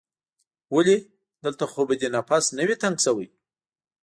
ولې؟ دلته خو به دې نفس نه وي تنګ شوی؟